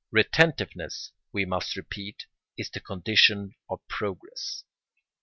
Retentiveness, we must repeat, is the condition of progress.